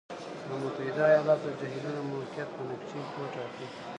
د متحد ایالاتو د جهیلونو موقعیت په نقشې کې وټاکئ.